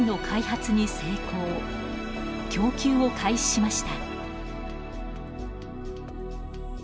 供給を開始しました。